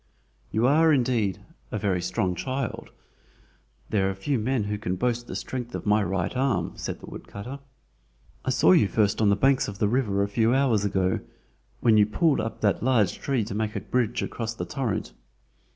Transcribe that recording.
"You are, indeed, a very strong child. There are few men who can boast of the strength of my right arm!" said the woodcutter. "I saw you first on the banks of the river a few hours ago, when you pulled up that large tree to make a bridge across the torrent.